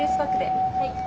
はい。